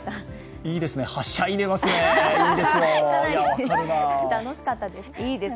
いいですね、はしゃいでますね。